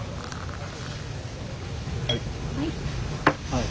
はい。